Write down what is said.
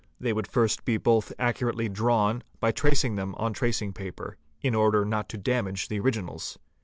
They le Ae would first be both accurately drawn h h ;¢ 0 i by tracing them on tracing paper, in ga" EX d order not to damage the originals.